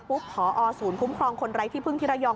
ผออสูตรคุ้มคลองคนไรที่พุ่งทิระยอง